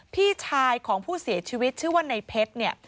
พี่ชายของผู้เสียชีวิตชื่อว่าในเพชรเนี่ย